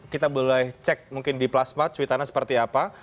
kita boleh cek mungkin di plasma tweetannya seperti apa